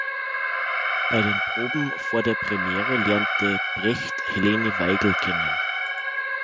Bei den Proben vor der Premiere lernte Brecht Helene Weigel kennen.